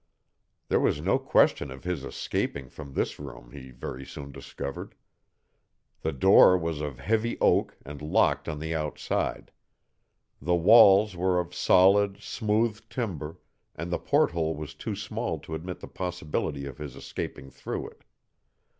There was no question of his escaping from this room he very soon discovered. The door was of heavy oak and locked on the outside. The walls were of solid, smooth timber, and the porthole was too small to admit the possibility of his escaping through it.